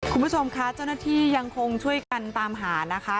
คุณผู้ชมคะเจ้าหน้าที่ยังคงช่วยกันตามหานะคะ